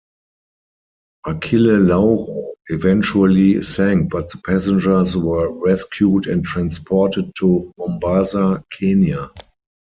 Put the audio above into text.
"Achille Lauro" eventually sank but the passengers were rescued and transported to Mombasa, Kenya.